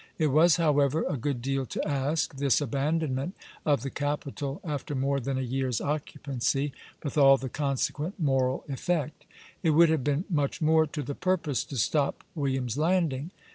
It was, however, a good deal to ask, this abandonment of the capital after more than a year's occupancy, with all the consequent moral effect; it would have been much more to the purpose to stop William's landing.